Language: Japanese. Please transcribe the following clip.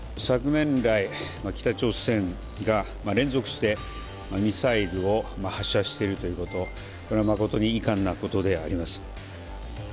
昨年来、北朝鮮が連続してミサイルを発射しているということ、これは誠に遺憾なことであります。